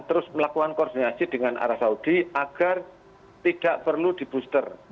terus melakukan koordinasi dengan arab saudi agar tidak perlu di booster